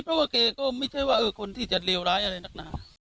เพราะว่าแกก็ไม่ใช่ว่าคนที่จะเลวร้ายอะไรนักหนา